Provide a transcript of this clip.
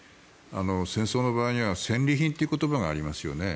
戦争の場合には戦利品という言葉がありますよね。